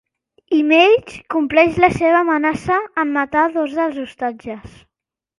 Image compleix la seva amenaça en matar dos dels ostatges.